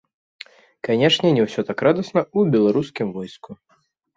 Канечне, не ўсё так радасна ў беларускім войску.